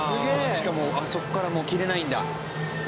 しかもあそこからもう切れないんだ。